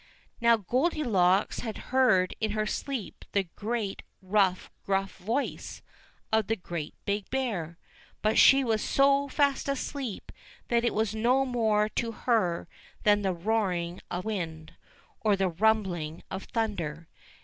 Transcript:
Now Goldilocks had heard in her sleep the great, rough, gruff voice of the Great Big Bear ; but she was so fast asleep that it was no more to her than the roaring of wind, or the rumbling of thunder.